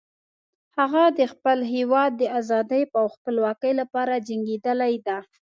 هغه د خپل هیواد د آزادۍ او خپلواکۍ لپاره جنګیدلی ده